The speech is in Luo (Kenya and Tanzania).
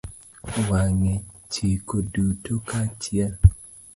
Wang'e chike duto kaachiel.